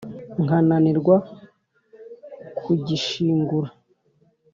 Nkananirwa kugishingura